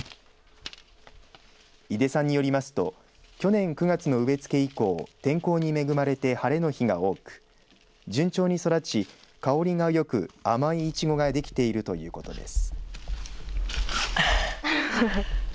井手さんによりますと去年９月の植え付け以降天候に恵まれて晴れの日が多く順調に育ち、香りがよく甘いいちごが出来ているということです。